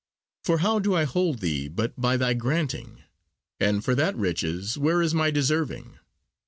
For how do I hold thee but by thy granting? And for that riches where is my deserving?